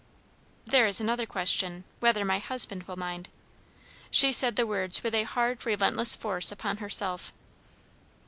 "There is another question, whether my husband will mind." She said the words with a hard, relentless force upon herself.